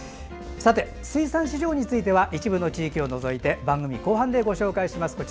さて、水産市場については一部の地域を除いて番組後半でご紹介します。